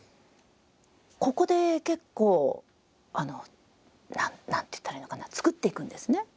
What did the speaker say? ここで結構何ていったらいいのかな作っていくんですね。